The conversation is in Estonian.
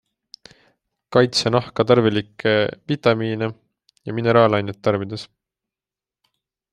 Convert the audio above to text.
Kaitse nahka tarvilikke vitamiine ja mineraalaineid tarbides.